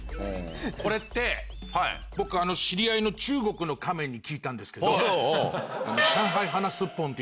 これって僕知り合いのっていう種類のカメに聞いたんですけど。